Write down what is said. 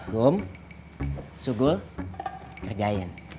gum sugul kerjain